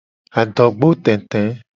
Adogbo tete.